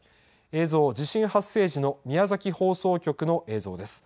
映像、地震発生時の宮崎放送局の映像です。